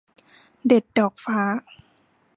เด็ดดอกฟ้า